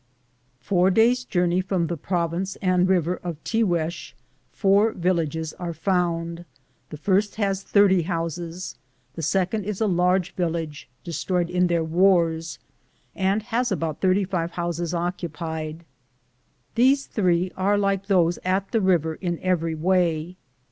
Four days' journey from the province and river of Tiguex four villages are found. The first has 30 houses ; the second is a large village destroyed in their wars, and has about 35 houses occupied ; the third about These three are like those at the river in every way.